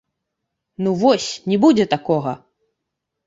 Ну вось, не будзе такога!